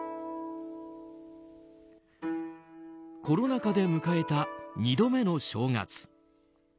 コロナ禍で迎えた２度目の正月。